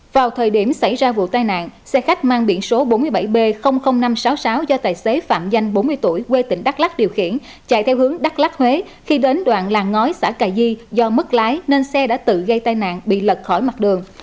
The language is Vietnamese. vào thời điểm xảy ra vụ tai nạn xe khách mang biển số bốn mươi bảy b năm trăm sáu mươi sáu do tài xế phạm danh bốn mươi tuổi quê tỉnh đắk lắc điều khiển chạy theo hướng đắk lắc huế khi đến đoạn làng ngói xã cà di do mất lái nên xe đã tự gây tai nạn bị lật khỏi mặt đường